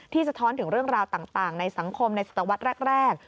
สะท้อนถึงเรื่องราวต่างในสังคมในศตวรรษแรก